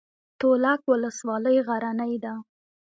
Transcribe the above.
تولک ولسوالۍ غرنۍ ده؟